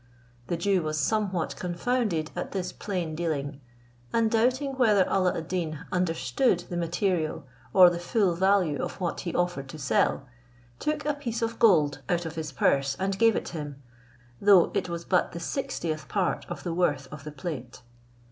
The Jew was somewhat confounded at this plain dealing; and doubting whether Alla ad Deen understood the material or the full value of what he offered to sell, took a piece of gold out of his purse and gave it him, though it was but the sixtieth part of the worth of the plate.